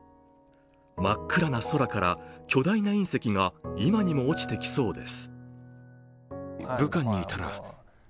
真っ暗な空から巨大な隕石が今にも落ちてきそうです。